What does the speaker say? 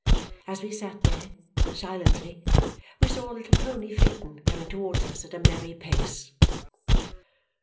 As we sat there, silently, we saw a little pony phaeton coming towards us at a merry pace.